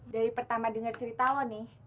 dari pertama dengar cerita lo nih